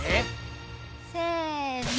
せの！